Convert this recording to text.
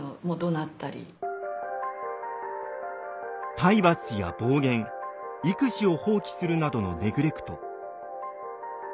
体罰や暴言育児を放棄するなどのネグレクト。